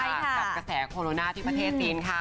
กับกระแสโคโรนาที่ประเทศจีนค่ะ